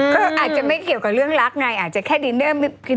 ก็อาจจะไม่เกี่ยวกับเรื่องรักไงอาจจะแค่ดินเนอร์